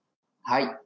はい。